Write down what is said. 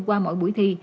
qua mỗi buổi thi